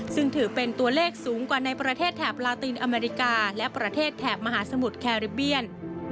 ซึ่งถือเป็นตัวเลขสูงกว่าในประเทศแถบลาตินอเมริกาและประเทศแถบมหาสมุทรแคริเบียน